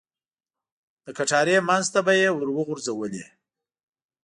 د کټارې منځ ته به یې ور وغوځولې.